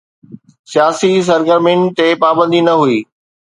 سياسي سرگرمين تي پابندي نه هئي.